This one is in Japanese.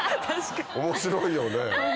面白いよね。